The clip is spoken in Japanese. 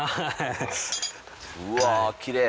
うわきれい。